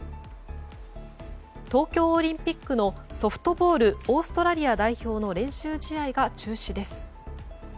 東京オリンピックのソフトボールオーストラリア代表の練習試合が中止です。